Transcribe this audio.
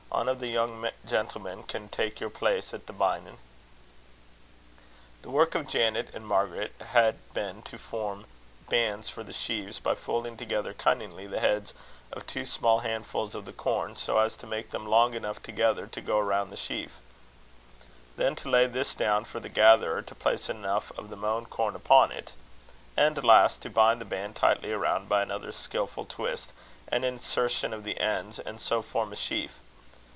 Ane o' the young gentlemen can tak' your place at the binin'." The work of Janet and Margaret had been to form bands for the sheaves, by folding together cunningly the heads of two small handfuls of the corn, so as to make them long enough together to go round the sheaf; then to lay this down for the gatherer to place enough of the mown corn upon it; and last, to bind the band tightly around by another skilful twist and an insertion of the ends, and so form a sheaf.